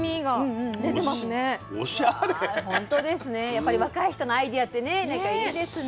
やっぱり若い人のアイデアってねなんかいいですね。